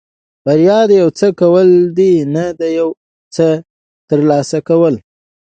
بریا د یو څه کول دي نه د یو څه ترلاسه کول.